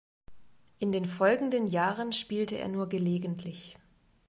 In den folgenden Jahren spielte er nur gelegentlich.